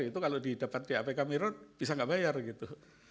itu kalau didapat di apk mirror bisa nggak bayar gitu